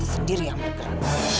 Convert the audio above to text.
biar tante sendiri yang bergerak